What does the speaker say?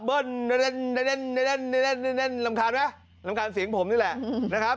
เล่นรำคาญไหมรำคาญเสียงผมนี่แหละนะครับ